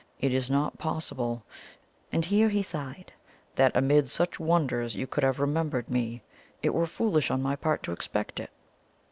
It is not possible," and here he sighed, "that amid such wonders you could have remembered me it were foolish on my part to expect it."